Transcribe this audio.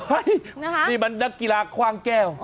นี่มันนักกีฬาคว่างแก้ว